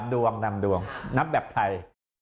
ใช่ครับตามดวงนับแบบไทย